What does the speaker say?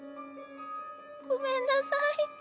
ごめんなさい。